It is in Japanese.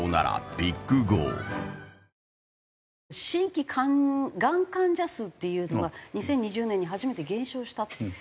新規がん患者数っていうのが２０２０年に初めて減少したって。